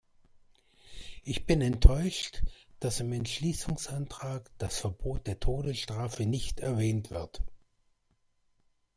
Ich bin enttäuscht, dass im Entschließungsantrag das Verbot der Todesstrafe nicht erwähnt wird.